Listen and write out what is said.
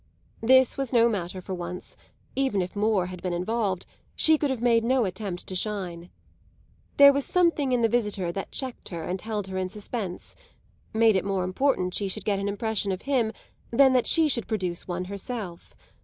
This was no matter for once; even if more had been involved she could have made no attempt to shine. There was something in the visitor that checked her and held her in suspense made it more important she should get an impression of him than that she should produce one herself.